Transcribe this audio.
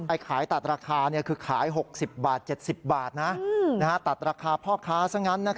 ขายตัดราคาคือขาย๖๐บาท๗๐บาทตัดราคาพ่อค้าซะงั้น